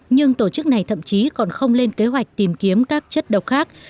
nhưng tổ chức này thậm chí còn không lên kế hoạch tìm kiếm các chất độc khác